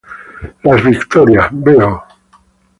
Las Victorias, Bo.